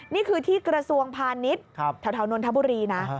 นี่คือที่กระทรวงพาณิชย์แถวนนทบุรีนะ